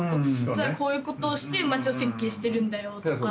実はこういうことをして街を設計してるんだよとか。